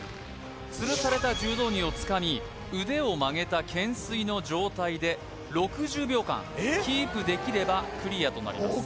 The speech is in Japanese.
つるされた柔道着をつかみ腕を曲げたけん垂の状態で６０秒間キープできればクリアとなります